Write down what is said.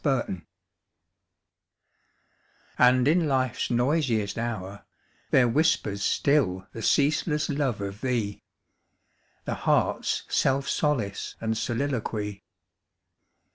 25 And in Life's noisiest hour There whispers still the ceaseless love of thee, The heart's self solace } and soliloquy.